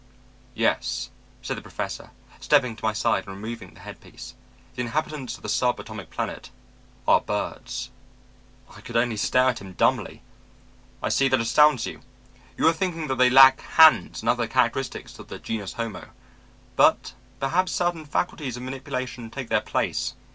"'Yes,' said the Professor, stepping to my side and removing the headpiece, 'the inhabitants of the sub atomic planet are birds.' "I could only stare at him dumbly. "'I see that astounds you. You are thinking that they lack hands and other characteristics of the genus homo. But perhaps certain faculties of manipulation take their place.